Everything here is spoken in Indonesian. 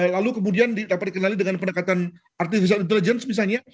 lalu kemudian dapat dikenali dengan pendekatan artificial intelligence misalnya